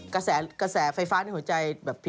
กาแสไฟฟ้าในหัวใจธิบายปกติ